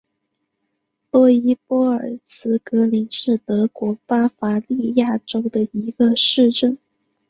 洛伊波尔茨格林是德国巴伐利亚州的一个市镇。